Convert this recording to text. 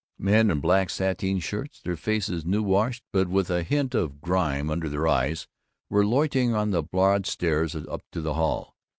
Men in black sateen shirts, their faces new washed but with a hint of grime under their eyes, were loitering on the broad stairs up to the hall.